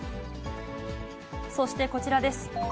そしてこちらです。